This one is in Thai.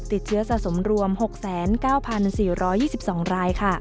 ติดเชื้อสะสมรวม๖๙๔๒๒ราย